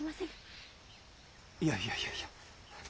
いやいやいやいや。